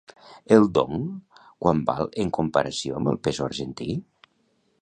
El dong quant val en comparació amb el peso argentí?